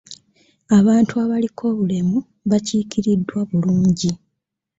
Abantu abaliko obulemu bakiikiriddwa bulungi.